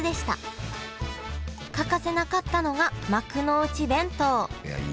欠かせなかったのが幕の内弁当。